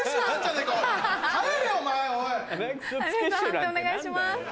判定お願いします。